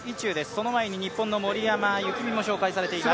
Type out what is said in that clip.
その前に日本の森山幸美も紹介されています。